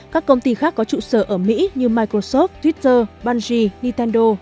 các công ty khác có trụ sở ở mỹ như microsoft twitter bungie nintendo